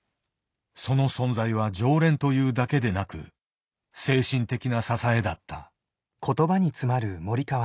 その存在は常連というだけでなく精神的な支えだった。